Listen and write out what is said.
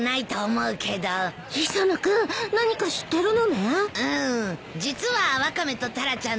うん。